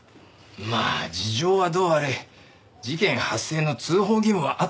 まあ事情はどうあれ事件発生の通報義務はあったと思うぞ。